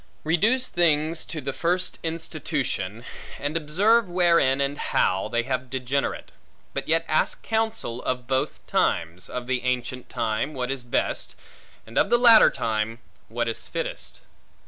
Reduce things to the first institution, and observe wherein, and how, they have degenerate; but yet ask counsel of both times; of the ancient time, what is best; and of the latter time, what is fittest.